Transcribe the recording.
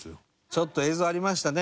ちょっと映像ありましたね。